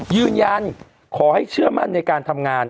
ยืนยันขอให้เชื่อมั่นในการทำงาน